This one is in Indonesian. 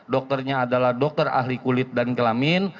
dokternya adalah dokter ahli kulit dan kelamin